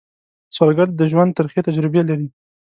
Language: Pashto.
سوالګر د ژوند ترخې تجربې لري